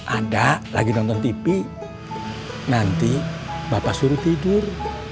anda lagi nonton tv nanti bapak suruh tidur